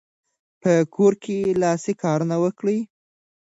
په کور کې لاسي کارونه وکړئ.